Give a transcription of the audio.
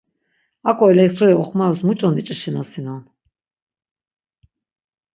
Aǩo elektriği oxmarus muç̌o niç̌işinasinon?.